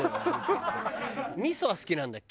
味噌は好きなんだっけ？